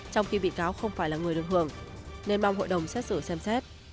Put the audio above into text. trong khi bị cáo không phải là người được hưởng nên mong hội đồng xét xử xem xét